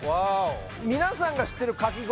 皆さんが知ってるかき氷